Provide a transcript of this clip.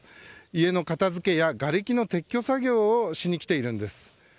家の片付けやがれきの撤去作業をしに来ているんです。